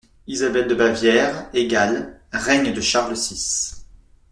Isabel de Bavière= (Règne de Charles six).